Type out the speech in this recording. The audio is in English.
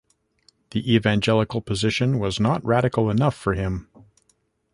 The evangelical position was not radical enough for him.